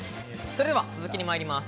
それでは続きに参ります。